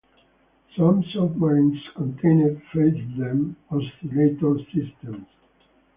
Some submarines contained Fessenden oscillator systems.